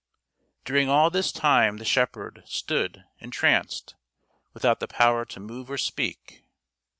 During all this time the shepherd stood entranced, without the power to move or speak.